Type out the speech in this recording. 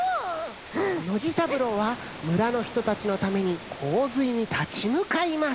ノジさぶろうはむらのひとたちのためにこうずいにたちむかいます。